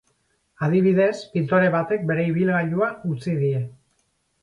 Adibidez, pintore batek bere ibilgailua utzi die.